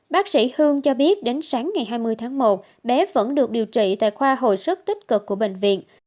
bác sĩ hương cho biết đến sáng ngày hai mươi tháng một bé vẫn được điều trị tại khoa hồi sức tích cực của bệnh viện